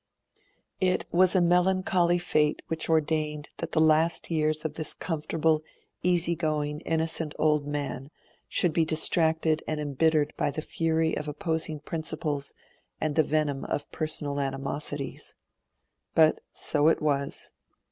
It was a melancholy fate which ordained that the last years of this comfortable, easygoing, innocent old man should be distracted and embittered by the fury of opposing principles and the venom of personal animosities. But so it was.